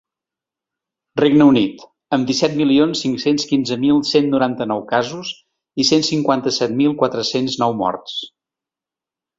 Regne Unit, amb disset milions cinc-cents quinze mil cent noranta-nou casos i cent cinquanta-set mil quatre-cents nou morts.